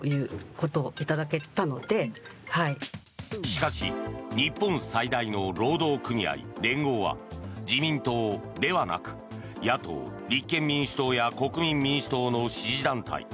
しかし日本最大の労働組合、連合は自民党ではなく野党・立憲民主党や国民民主党の支持団体。